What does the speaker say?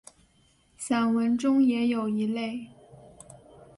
散文中也有一类。